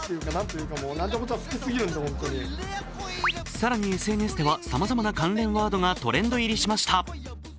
更にＳＮＳではさまざまな関連ワードがトレンド入りしました。